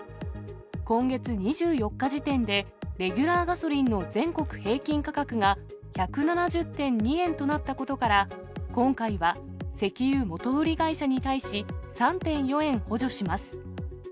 今月２４日時点でレギュラーガソリンの全国平均価格が１７０．２円となったことから、今回は、石油元売り会社に対し、３．４円補助します。